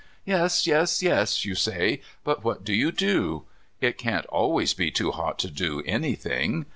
"Yes, yes, yes," you say, "but what do you do? It can't always be too hot to do anything."